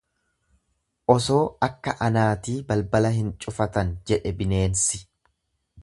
Osoo akka anaatii balbala hin cufatan jedhe bineensi.